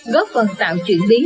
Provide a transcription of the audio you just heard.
góp phần tạo chuyển biến